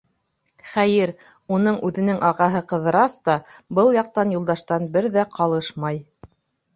Хәйер, уның үҙенең ағаһы Ҡыҙырас та был яҡтан Юлдаштан бер ҙә ҡалышмай.